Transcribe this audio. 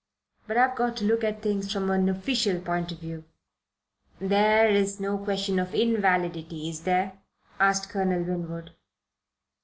But I've got to look at things from an official point of view." "There's no question of invalidity, is there?" asked Colonel Winwood.